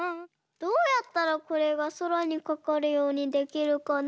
どうやったらこれがそらにかかるようにできるかな？